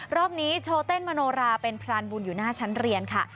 รอบนี้โชว์เต้นมโนราเป็นพรานบุญอยู่หน้าชั้นเรียนค่ะ